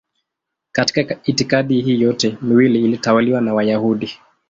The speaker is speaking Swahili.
Katika itikadi hii yote miwili ilitawaliwa na Wayahudi.